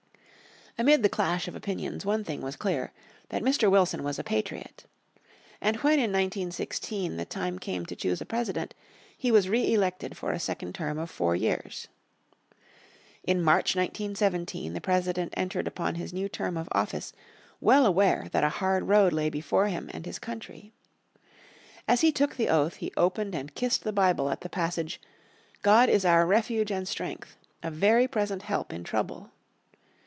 Amid the clash of opinions one thing was clear, that Mr. Wilson was a patriot. And when in 1916 the time came to choose a President he was re elected for a second term of four years. In March, 1917, the President entered upon his new term of office well aware that a hard road lay before him and his country. As he took the oath he opened and kissed the Bible at the passage "God is our refuge and strength, a very present help in trouble."